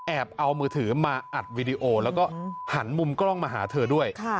เอามือถือมาอัดวีดีโอแล้วก็หันมุมกล้องมาหาเธอด้วย